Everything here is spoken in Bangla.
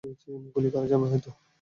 গুলি করা যাবে হয়তো।